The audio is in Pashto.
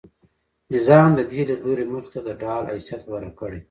نظام د دې لیدلوري مخې ته د ډال حیثیت غوره کړی.